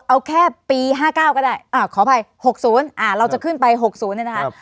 เอาแค่ปี๕๙ก็ได้ขออภัย๖๐เราจะขึ้นไป๖๐เนี่ยนะคะ